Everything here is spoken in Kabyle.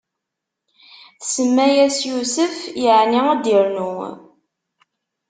Tsemma-yas Yusef, yeɛni ad d-irnu.